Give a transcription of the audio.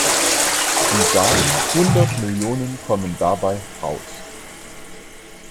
Sie sagen, hundert Millionen kommen dabei raus.